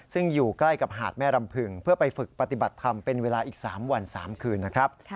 ซึ่งอยู่ใกล้กับหาดแม่รำพึงเพื่อไปฝึกปฏิบัติธรรมเป็นเวลาอีก๓วัน๓คืนนะครับ